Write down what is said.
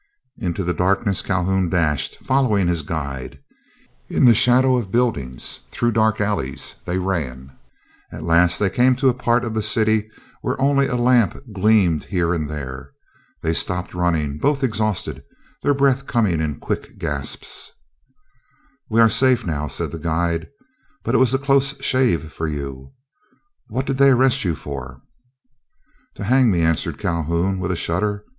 Into the darkness Calhoun dashed, following his guide. In the shadow of buildings, through dark alleys, they ran. At last they came to a part of the city where only a lamp gleamed here and there. They stopped running, both exhausted, their breath coming in quick gasps. [Illustration: INTO THE DARKNESS CALHOUN DASHED, FOLLOWING HIS GUIDE.] "We are safe now," said the guide, "but it was a close shave for you. What did they arrest you for?" "To hang me," answered Calhoun, with a shudder.